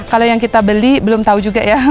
kalau yang kita beli belum tahu juga ya